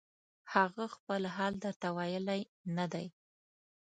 هغه خپل حال درته ویلی نه دی